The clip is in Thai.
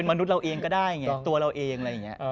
เป็นมนุษย์เราเองก็ได้ตัวเราเอง